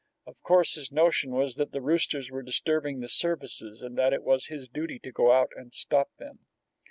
Of course, his notion was that the roosters were disturbing the services, and that it was his duty to go out and stop them.